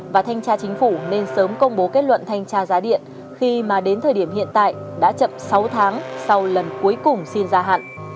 và thanh tra chính phủ nên sớm công bố kết luận thanh tra giá điện khi mà đến thời điểm hiện tại đã chậm sáu tháng sau lần cuối cùng xin gia hạn